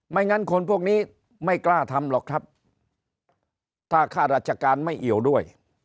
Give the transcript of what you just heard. งั้นคนพวกนี้ไม่กล้าทำหรอกครับถ้าข้าราชการไม่เอี่ยวด้วย